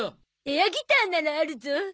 エアギターならあるゾ。